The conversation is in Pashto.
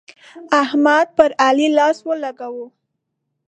احمد پر علي لاس ولګاوو.